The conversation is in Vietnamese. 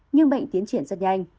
nhưng bệnh tiến triển rất nhanh